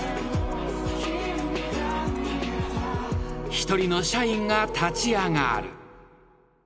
［一人の社員が立ち上がる］